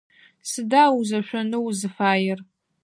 Сыда о узэшъонэу узыфаер?